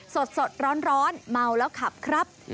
สดร้อนเมาแล้วขับครับ